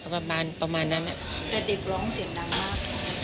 ประมาณประมาณนั้นแต่เด็กร้องเสียงดังมาก